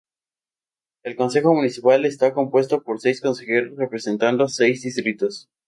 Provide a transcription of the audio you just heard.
El consejo municipal está compuesto por seis consejeros representando seis distritos.